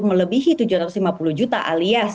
melebihi tujuh ratus lima puluh juta alias